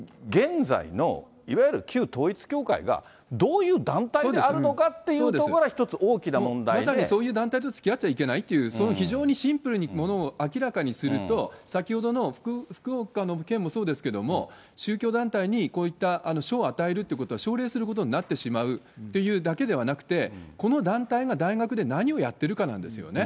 現在のいわゆる旧統一教会が、どういう団体であるのかっていうとまさにそういう団体とつきあっちゃいけないという、そういう非常にシンプルにものを明らかにすると、先ほどの福岡の件もそうですけれども、宗教団体にこういった賞を与えるということは奨励することになってしまうというだけではなくて、この団体が大学で何をやってるかなんですよね。